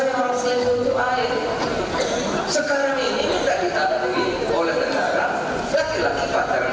bahkan sekarang di dpr ini lagi ramai soal lgbt